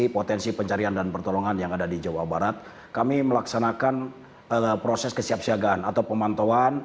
pak deden apa pendapat anda